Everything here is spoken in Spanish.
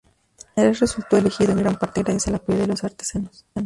El general resultó elegido en gran parte gracias al apoyo de los artesanos.